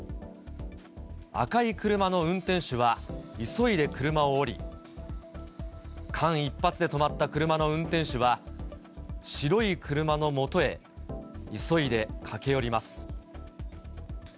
赤い車の運転手は、急いで車を降り、間一髪で止まった車の運転手は、白い車のもとへ急いで駆け寄ります。